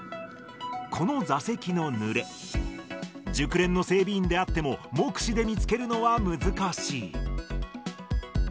この座席のぬれ、熟練の整備員であっても、目視で見つけるのは難しい。